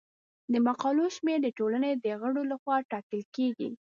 د مقالو شمیر د ټولنې د غړو لخوا ټاکل کیږي.